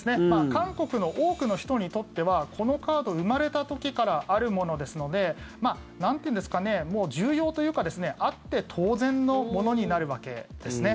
韓国の多くの人にとってはこのカード生まれた時からあるものですのでなんと言うんですかね重要というかあって当然のものになるわけですね。